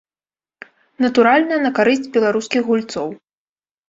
Натуральна, на карысць беларускіх гульцоў.